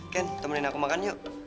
ken temenin aku makan yuk